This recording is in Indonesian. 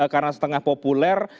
karena setengah populer